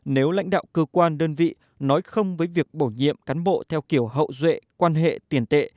nếu lãnh đạo cơ quan đơn vị nói không với việc bổ nhiệm cán bộ theo kiểu hậu duệ quan hệ tiền tệ